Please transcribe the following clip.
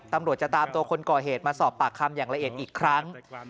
ตำรวจจะตามตัวคนก่อเหตุมาสอบปากคำอย่างละเอียดอีกครั้ง